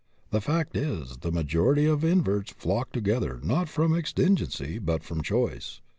The fact is, the majority of inverts flock together not from exigency, but from choice.